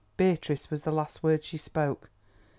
'Beatrice' was the last word she spoke."